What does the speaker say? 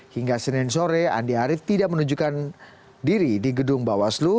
hingga senin sore andi arief tidak menunjukkan diri di gedung bawaslu